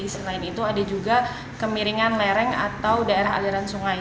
selain itu ada juga kemiringan lereng atau daerah aliran sungai